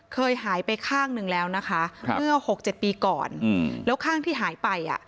เคยหายไปข้างหนึ่งแล้วนะคะเมื่อ๖๗ปีก่อนแล้วข้างที่หายไปอ่ะ